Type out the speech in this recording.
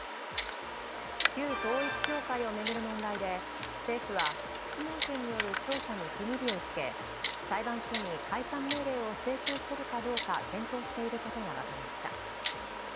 旧統一教会を巡る問題で、政府は質問権による調査に区切りをつけ裁判所に解散命令を請求するかどうか検討していることが分かりました。